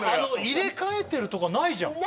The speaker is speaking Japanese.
入れ替えてるとかないじゃん。